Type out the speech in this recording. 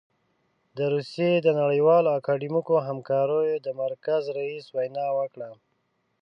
د روسيې د نړیوالو اکاډمیکو همکاریو د مرکز رییس وینا وکړه.